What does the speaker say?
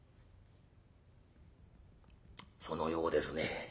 「そのようですね。